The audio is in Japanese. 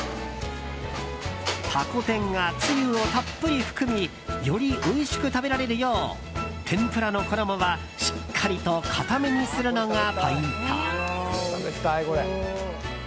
タコ天がつゆをたっぷり含みよりおいしく食べられるよう天ぷらの衣はしっかりと硬めにするのがポイント。